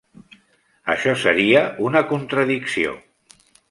Això seria una contradicció.